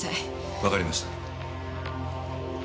わかりました。